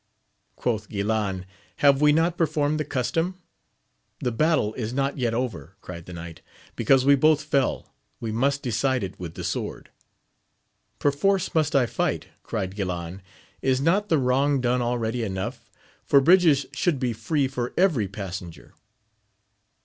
— Quoth Guilan, Have we not performed the custom ? The battle is not yet ovet, cried the knight, because we both fell : we must decide it with the sword. Perforce must I fight? cried Guilan : is not the wrong done already enough, for bridges should be free for every passenger